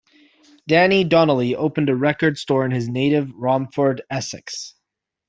Danny Donnelly opened a record store in his native Romford, Essex.